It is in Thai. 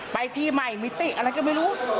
ไปที่ใหม่มิติอะไรก็ไม่รู้